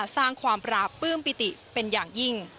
สร้างความปราบปลื้มปิติเป็นอย่างยิ่ง